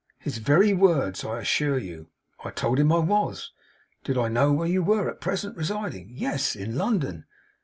'His very words, I assure you. I told him I was. Did I know where you were at present residing? Yes. In London?